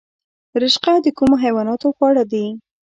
رشقه د کومو حیواناتو خواړه دي؟